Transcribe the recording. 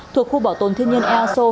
thuộc khu bảo tồn thiên nhiên eso